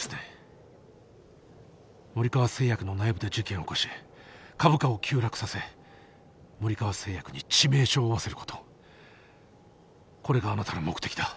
森川製薬の内部で事件を起こし株価を急落させ森川製薬に致命傷を負わせることこれがあなたの目的だ。